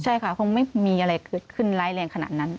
ใช่ค่ะคงไม่มีอะไรขึ้นไล่แรงขนาดนั้น